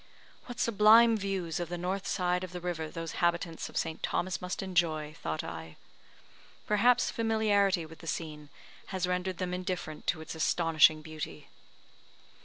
"What sublime views of the north side of the river those habitans of St. Thomas must enjoy," thought I. Perhaps familiarity with the scene has rendered them indifferent to its astonishing beauty.